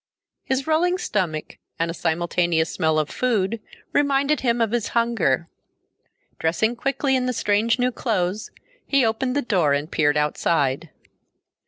His rolling stomach and a simultaneous smell of food reminded him of his hunger. Dressing quickly in the strange new clothes, he opened the door and peered outside.